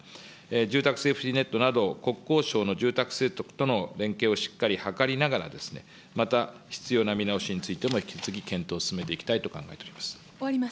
住宅セーフティーネットなど、国交省の住宅政策との連携をしっかり図りながら、また、必要な見直しについても、引き続き検討を進めていきたいと考えております。